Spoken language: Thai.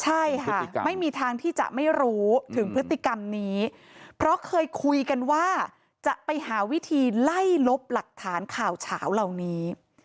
ใช่ค่ะไม่มีทางที่จะไม่รู้ถึงพฤติกรรมนี้เพราะเคยคุยกันว่าจะไปหาวิธีไล่ลบหลักฐานข่าวเฉาเหล่านี้